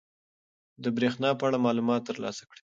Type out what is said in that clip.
د بریښنا په اړه معلومات ترلاسه کړئ.